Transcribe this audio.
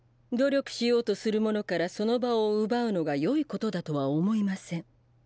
努力しようとする者からその場を奪うのが良いことだとは思いません。